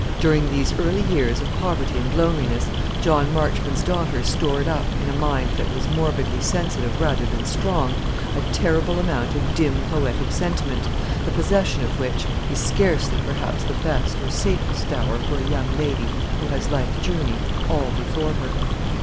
During these early years of poverty and loneliness, John Marchmont's daughter stored up, in a mind that was morbidly sensitive rather than strong, a terrible amount of dim poetic sentiment; the possession of which is scarcely, perhaps, the best or safest dower for a young lady who has life's journey all before her.